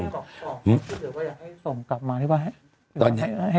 อยากให้ส่งกลับมาหรือเปล่า